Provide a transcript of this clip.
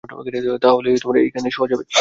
তা হলে এইখানেই শোয়া যাবে।